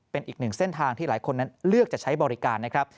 เป็นอีกหนึ่งเส้นทางที่หลายคนนั้นเลือกจะใช้บริการนะครับ